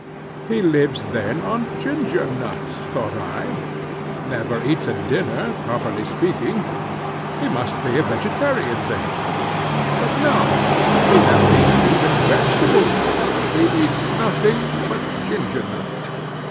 He lives, then, on ginger nuts, thought I; never eats a dinner, properly speaking; he must be a vegetarian then; but no; he never eats even vegetables, he eats nothing but ginger nuts.